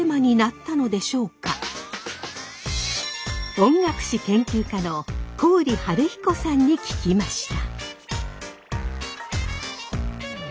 音楽史研究家の郡修彦さんに聞きました。